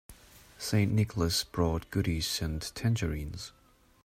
St. Nicholas brought goodies and tangerines.